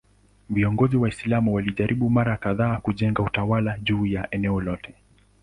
Viongozi Waislamu walijaribu mara kadhaa kujenga utawala juu ya eneo lote.